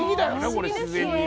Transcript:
これ自然にね。